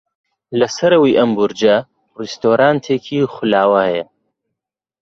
لە سەرەوەی ئەم بورجە ڕێستۆرانتێکی خولاوە هەیە.